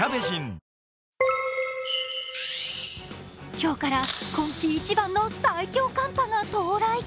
今日から今季一番の最強の寒波が到来。